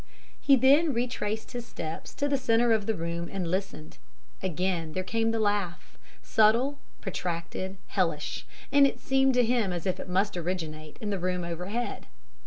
"He then retraced his steps to the centre of the room and listened. Again there came the laugh subtle, protracted, hellish and it seemed to him as if it must originate in the room overhead.